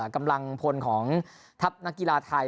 กำลังพลของทัพนักกีฬาไทย